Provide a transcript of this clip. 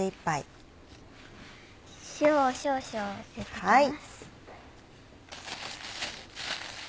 塩を少々入れていきます。